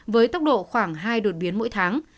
với tốc độ khoảng hai đột biến mỗi tháng